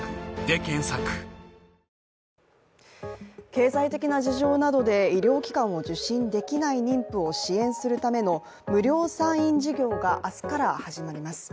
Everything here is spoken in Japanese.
経済的な事情などで医療機関を受診できない妊婦を支援するための無料産院事業が明日から始まります。